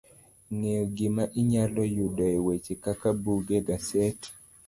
ng'eyo kama inyalo yudoe weche kaka buge, gasede